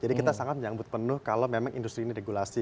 jadi kita sangat menyangbut penuh kalau memang industri ini regulasi